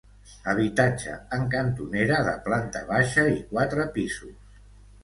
Habitatge en cantonera, de planta baixa i quatre pisos.